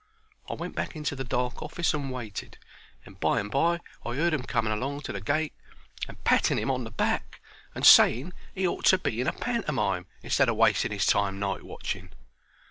I went back into the dark office and waited, and by and by I 'eard them coming along to the gate and patting 'im on the back and saying he ought to be in a pantermime instead o' wasting 'is time night watching.